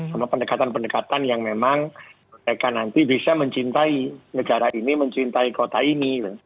sama pendekatan pendekatan yang memang mereka nanti bisa mencintai negara ini mencintai kota ini